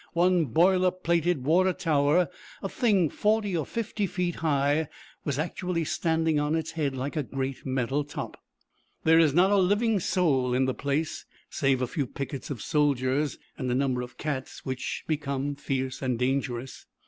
One boiler plated water tower, a thing forty or fifty feet high, was actually standing on its head like a great metal top. There is not a living soul in the place save a few pickets of soldiers, and a number of cats which become fierce and dangerous.